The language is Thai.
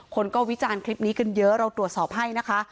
คนก็วิจารณ์คลิปนี้กันเยอะเราตรวจสอบให้นะคะ